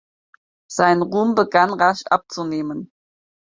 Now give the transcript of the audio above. Sein Ruhm begann rasch abzunehmen.